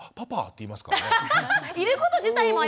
居ること自体も。